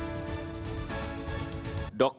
terima kasih pak